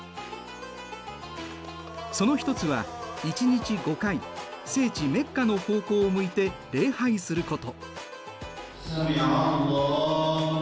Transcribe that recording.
その一つは１日５回聖地メッカの方向を向いて礼拝すること。